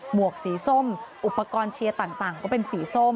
วกสีส้มอุปกรณ์เชียร์ต่างก็เป็นสีส้ม